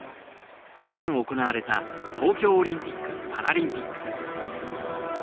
去年行われた東京オリンピック・パラリンピック